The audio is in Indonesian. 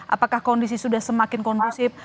apakah kondisi sudah semakin kondusif